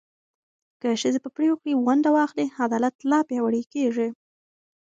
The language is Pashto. که ښځې په پرېکړو کې ونډه واخلي، عدالت لا پیاوړی کېږي.